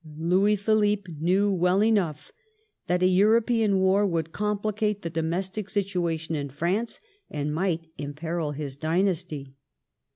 Louis Philippe knew well enough that a European war would complicate the domestic situa tion in France, and might imperil his dynasty.